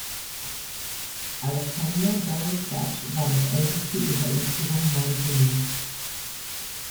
Alexander Dallas Bache war das älteste ihrer insgesamt neun Kinder.